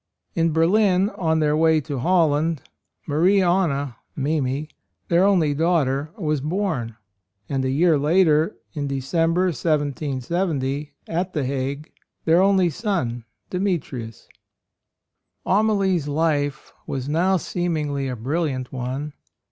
In Berlin, on their way to Holland, Marie Anna (Mimi), their only daughter was born ; and a year 16 A ROYAL SON later, in December, 1770, at the Hague, their only son, Demetrius. Amalie's life was now seem ingly a brilliant one.